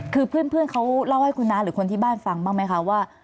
คือเพื่อนเขาเล่าให้คุณน้าหรือคนที่บ้านฟังบ้างไหมคะว่า